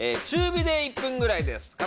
中火で１分ぐらいです。